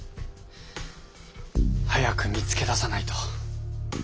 早く見つけ出さないと。